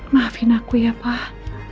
maafin aku ya pak